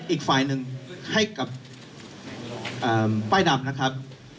อีกฝ่ายหนึ่งให้กับป้ายดำนะครับ